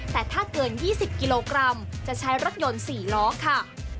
แต่ถ้าเกิน๒๐กิโลกรัมจะใช้รถยนต์๔ล้อค่ะ